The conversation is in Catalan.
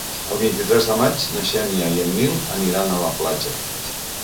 El vint-i-tres de maig na Xènia i en Nil aniran a la platja.